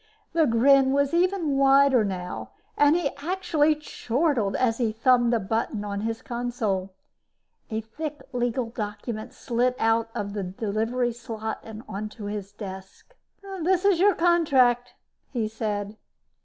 The grin was even wider now and he actually chortled as he thumbed a button on his console. A thick legal document slid out of the delivery slot onto his desk. "This is your contract," he said.